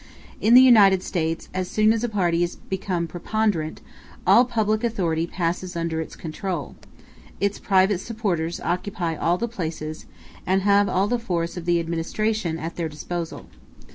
In the United States, as soon as a party is become preponderant, all public authority passes under its control; its private supporters occupy all the places, and have all the force of the administration at their disposal.